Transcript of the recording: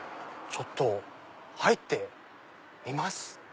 ちょっと入ってみます。